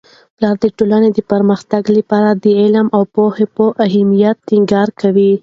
پلار د ټولنې د پرمختګ لپاره د علم او پوهې په اهمیت ټینګار کوي.